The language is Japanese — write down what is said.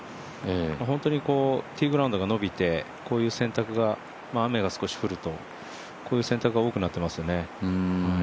本当に、ティーインググラウンドが延びて、こういう選択が雨が少し降ると、こういう選択が多くなっていますね。